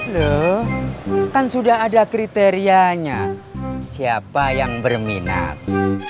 loh kan sudah ada kriterianya siapa yang berminat